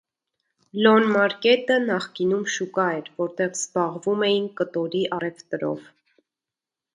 Լոնմարկետը նախկինում շուկա էր, որտեղ զբաղվում էին կտորի առևտրով։